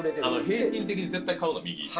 平均的に絶対買うの右。